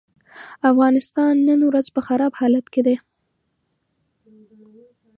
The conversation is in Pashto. افغانستان نن ورځ په خراب حالت کې دی.